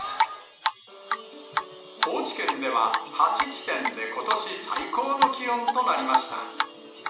高知県では、８地点でことし最高の気温となりました。